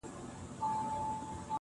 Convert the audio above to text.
کوم زاهد په يوه لاس ورکړی ډهول دی_